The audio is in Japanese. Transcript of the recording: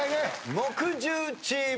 木１０チーム